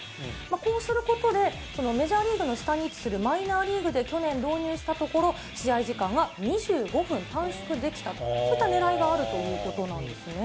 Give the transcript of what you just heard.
こうすることで、メジャーリーグの下に位置するマイナーリーグで去年導入したところ、試合時間が２５分短縮できたと、そういったねらいがあるということなんですね。